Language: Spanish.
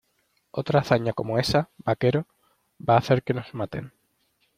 Otra hazaña como esa, vaquero , va a hacer que nos maten.